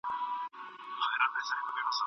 د څارویو ناروغۍ انسانانو ته څنګه لیږدول کیږي؟